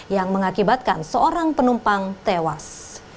yang mengakibatkan seorang penumpang tewas